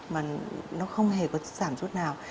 mà nó không hề có giảm rút nào